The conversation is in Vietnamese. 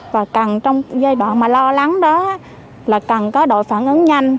và cần trong giai đoạn mà lo lắng đó là cần có đội phản ứng nhanh